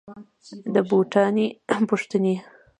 د بوټاني پوښتني